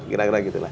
kira kira gitu lah